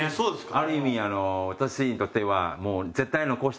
ある意味私にとっては。